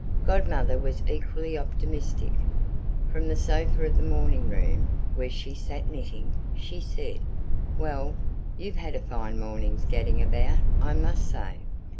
Godmother was equally optimistic. From the sofa of the morning room, where she sat knitting, she said: "Well, YOU'VE had a fine morning's gadding about I must say!